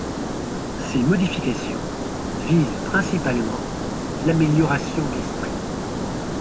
Ces modifications visent principalement l’amélioration de l’esprit.